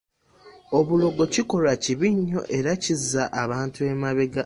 Obulogo kikolwa kibi nnyo era kizza abantu emabega.